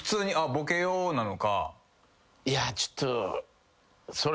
いやちょっとそれ。